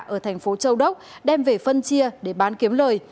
ở thành phố châu đốc đem về phân chia để bán kiếm lời